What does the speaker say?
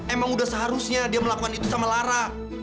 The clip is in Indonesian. emang udah seharusnya dia melakukan itu sama lara